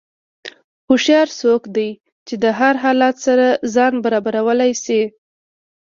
هوښیار څوک دی چې د هر حالت سره ځان برابرولی شي.